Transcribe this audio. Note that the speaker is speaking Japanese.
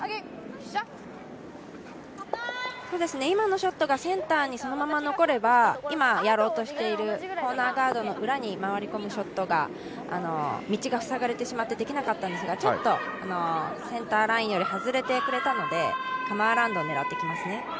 今のショットがセンターにそのまま残れば今、やろうとしているコーナーガードの裏に回り込むショットが道が塞がれてしまってできなかったんですがちょっとセンターラインより外れてしまったのでカム・アラウンドを狙ってきますね